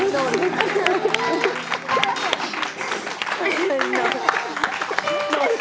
นอนนอน